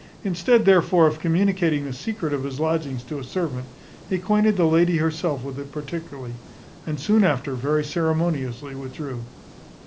Instead therefore of communicating the secret of his lodgings to a servant, he acquainted the lady herself with it particularly, and soon after very ceremoniously withdrew.